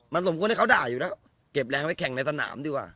มันสมควรให้เขาด่าอยู่แล้วเก็บแรงไว้แข่งในสนามดีกว่า